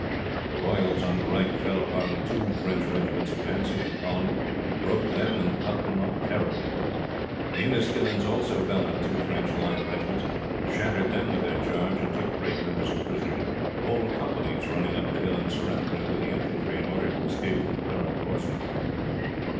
The Royals on the right fell upon two French regiments advancing in column, broke them, and cut them up terribly. The Inniskillens also fell on two French line regiments, shattered them with their charge, and took great numbers of prisoners, whole companies running up the hill and surrendering to the infantry in order to escape from the terrible horsemen.